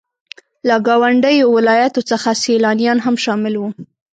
له ګاونډيو ولاياتو څخه سيلانيان هم شامل وو.